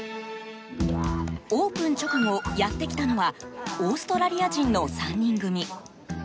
オープン直後、やってきたのはオーストラリア人の３人組。